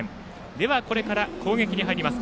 ではこれから攻撃に入ります